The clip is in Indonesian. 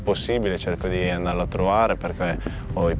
jadi saya ketika bisa mencoba menemukannya